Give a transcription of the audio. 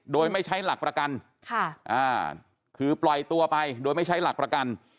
โดยไม่ใช้หลักประกันคือปล่อยตัวไปโดยไม่ใช้หลักประกัน